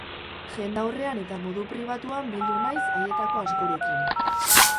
Jendaurrean eta modu pribatuan bildu naiz haietako askorekin.